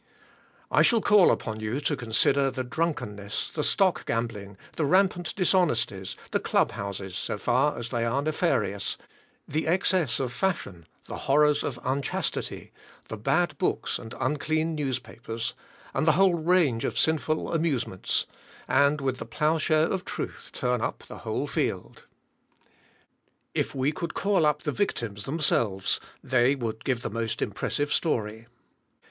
I shall call upon you to consider the drunkenness, the stock gambling, the rampant dishonesties, the club houses so far as they are nefarious, the excess of fashion, the horrors of unchastity, the bad books and unclean newspapers, and the whole range of sinful amusements; and with the plough share of truth turn up the whole field. If we could call up the victims themselves, they would give the most impressive story.